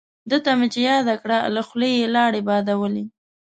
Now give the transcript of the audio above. دته مې چې یاده کړه له خولې یې لاړې بادولې.